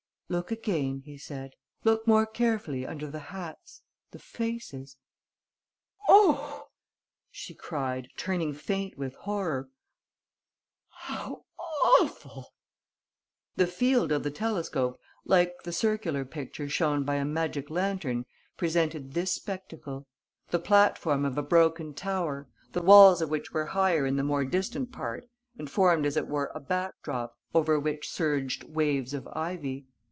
"Look again," he said. "Look more carefully under the hats ... the faces...." "Oh!" she cried, turning faint with horror, "how awful!" The field of the telescope, like the circular picture shown by a magic lantern, presented this spectacle: the platform of a broken tower, the walls of which were higher in the more distant part and formed as it were a back drop, over which surged waves of ivy.